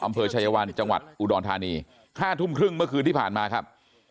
อำเภอชายวันจังหวัดอุดรธานี๕ทุ่มครึ่งเมื่อคืนที่ผ่านมาครับ